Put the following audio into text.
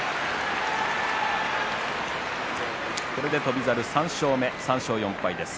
翔猿、３勝目、３勝４敗です。